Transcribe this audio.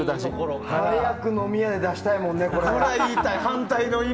早く飲み屋で出したいもんね。